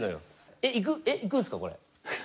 えっ行くんすかこれ？